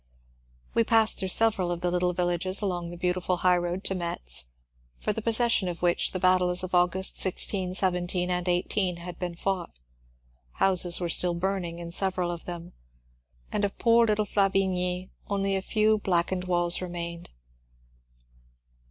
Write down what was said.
We passed through several of the little villages along the beautiful highroad to Metz, for the possession of which the battles of August 16, 17, and 18 had been fought. Houses were still burning in several of them, and of poor little Fla vigny only a few blackened walls remained.